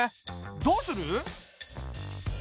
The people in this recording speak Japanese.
どうする？